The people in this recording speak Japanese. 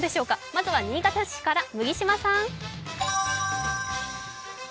まずは新潟市から麦島さん。